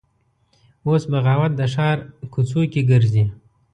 اوس بغاوت د ښار کوڅ وکې ګرځي